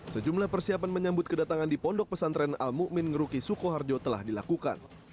sejumlah persiapan menyambut kedatangan di pondok pesantren al mu'min ngeruki sukoharjo telah dilakukan